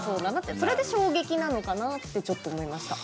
それで衝撃なのかなってちょっと思いました。